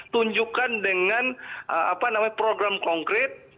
tunjukkan dengan program konkret